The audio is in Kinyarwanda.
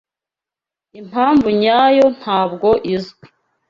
Impamvu Nyayo Ntabwo Izwi